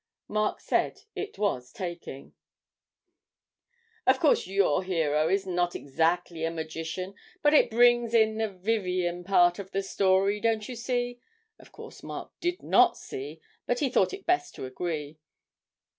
Mark said it was taking. 'Of course your hero is not exactly a magician, but it brings in the "Vivien" part of the story, don't you see?' Of course Mark did not see, but he thought it best to agree.